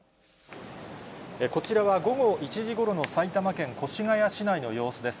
こちらは午後１時ごろの埼玉県越谷市内の様子です。